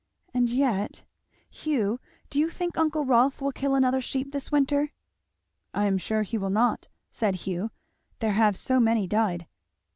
And yet Hugh, do you think uncle Rolf will kill another sheep this winter?" "I am sure he will not," said Hugh; "there have so many died."